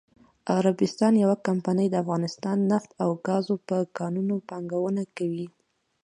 عربستان یوه کمپنی دافغانستان نفت او ګازو په کانونو پانګونه کوي.😱